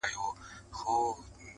چی مات سوي یو زړه ماتي او کمزوري!!